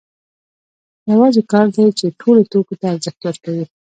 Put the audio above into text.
یوازې کار دی چې ټولو توکو ته ارزښت ورکوي